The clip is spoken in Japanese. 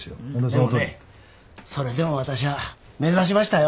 でもねそれでも私は目指しましたよ。